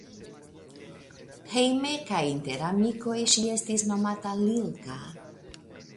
Hejme kaj inter amikoj ŝi estis nomata Lilka.